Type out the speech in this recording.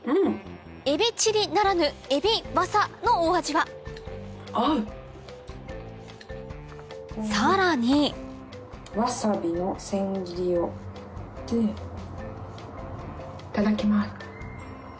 「エビチリ」ならぬ「エビわさ」のお味はさらにいただきます。